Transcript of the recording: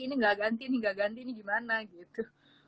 ini gak ganti ini gak ganti ini gimana gitu